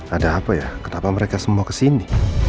ada apa ya kenapa mereka semua kesini